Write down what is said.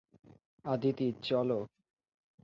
আদিতি, চল!